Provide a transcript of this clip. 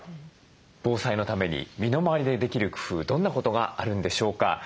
防災のために身の回りでできる工夫どんなことがあるんでしょうか？